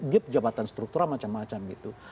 dia pejabatan struktural macam macam gitu